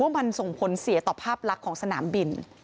มันส่งผลเสียต่อภาพลักษณ์ของสนามบิน